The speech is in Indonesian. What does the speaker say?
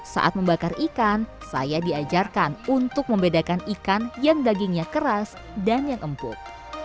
saat membakar ikan saya diajarkan untuk membedakan ikan yang dagingnya keras dan yang empuk